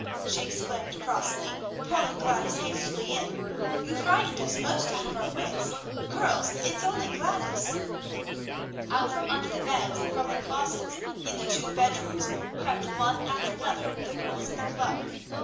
she exclaimed crossly, pulling Gladys hastily in; "you frightened us almost out of our wits. Girls! it's only Gladys!" Out from under the beds and from the closets in the two bedrooms crept one after another the girls of the club.